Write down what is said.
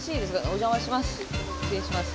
お邪魔します。